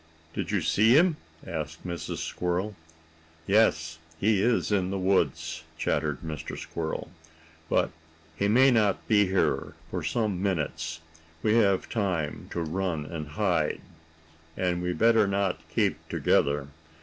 "Did you see him?" asked Mrs. Squirrel. "Yes. He is in the woods," chattered Mr. Squirrel. "But he may not be here for some minutes. We have time to run and hide. And we had better not keep together.